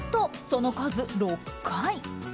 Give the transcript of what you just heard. その数６回。